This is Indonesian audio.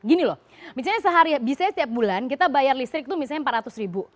gini loh misalnya setiap bulan kita bayar listrik itu misalnya rp empat ratus